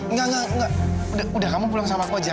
nggak nggak nggak udah kamu pulang sama aku aja